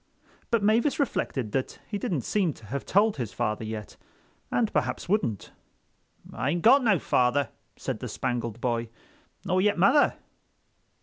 But Mavis reflected that he didn't seem to have told his father yet, and perhaps wouldn't. "Ain't got no father," said the Spangled Boy, "nor yet mother."